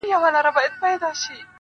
ډېوه سلگۍ وهي کرار ـ کرار تياره ماتېږي,